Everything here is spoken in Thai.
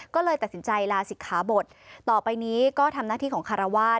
ก็เลยตัดสินใจลาศิกขาบทต่อไปนี้ก็ทำหน้าที่ของคารวาส